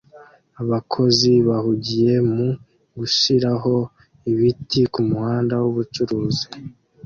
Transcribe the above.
Abakozi bahugiye mu gushiraho ibiti kumuhanda wubucuruzi